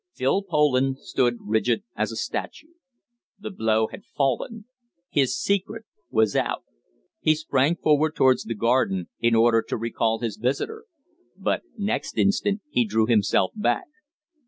Phil Poland stood rigid as a statue. The blow had fallen. His secret was out. He sprang forward towards the garden, in order to recall his visitor. But next instant he drew himself back.